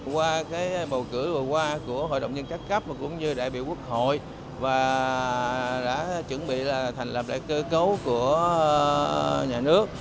qua bầu cử vừa qua của hội động nhân các cấp cũng như đại biểu quốc hội và đã chuẩn bị thành lập lại cơ cấu của nhà nước